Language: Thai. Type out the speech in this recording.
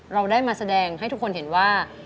เราได้มาแสดงให้ทุกคนเห็นว่า